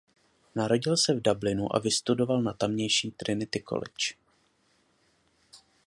Narodil se v Dublinu a vystudoval na tamější Trinity College.